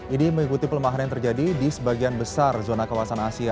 ini mengikuti pelemahan yang terjadi di sebagian besar zona kawasan asia